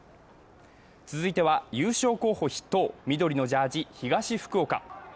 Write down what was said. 続いては優勝候補筆頭、緑のジャージー、東福岡。